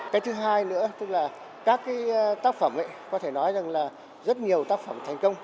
cái thứ hai nữa các tác phẩm có thể nói là rất nhiều tác phẩm thành công